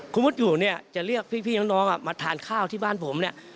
คุณมดอยู่เนี่ยจะเรียกพี่น้องมาทานข้าวที่บ้านผมเนี่ย